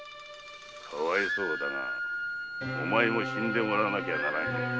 かわいそうだがお前も死んでもらわなきゃならんようだ。